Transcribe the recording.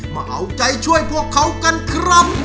มาเอาใจช่วยพวกเขากันครับ